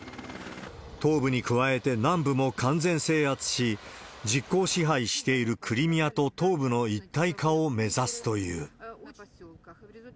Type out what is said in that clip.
東部に加えて南部も完全制圧し、実効支配しているクリミアと東部の一体化を目指すという。